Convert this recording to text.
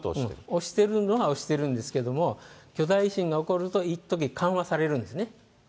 押してるのは押してるんですが、巨大地震が起こると、いっとき、緩和されるんですね。